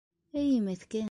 Эй, меҫкен.